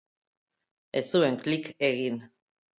Ez zuen klik egin.